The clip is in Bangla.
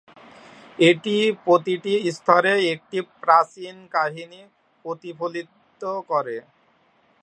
এটি প্রতিটি স্তরে একটি প্রাচীন কাহিনী প্রতিফলিত করে।